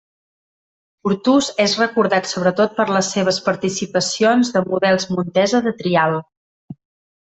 Portús és recordat sobretot per les seves preparacions de models Montesa de trial.